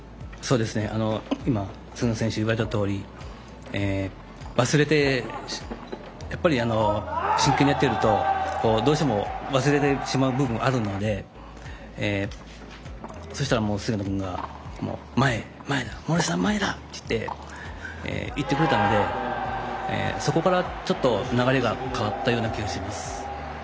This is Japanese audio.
今、菅野選手が言われたとおり忘れて、やっぱり真剣にやっているとどうしても忘れてしまう部分があるのでそうしたら菅野君が諸石さん、前だ！って言ってくれたのでそこからちょっと流れが変わったような気がします。